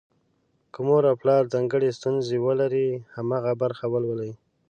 که مور او پلار ځانګړې ستونزه ولري، هماغه برخه ولولي.